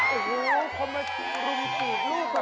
โอ้โหคนมารุมจีบลูกแบบ